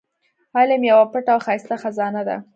علم يوه پټه او ښايسته خزانه ده.